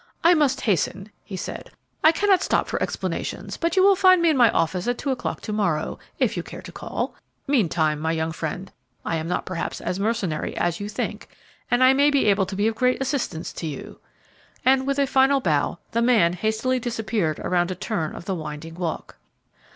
"I must hasten," he said; "I cannot stop for explanations; but you will find me in my office at two o'clock to morrow, if you care to call. Meantime, my young friend, I am not perhaps as mercenary as you think, and I may be able to be of great assistance to you," and with a final bow, the man hastily disappeared around a turn of the winding walk.